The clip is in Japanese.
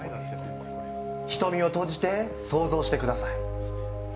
瞳を閉じて想像してください。